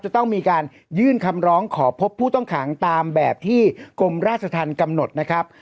จะต้องมีการยื่นคำร้องขอพบผู้ต้องขังตามแบบที่กรมราชธรรมกำหนดนะครับ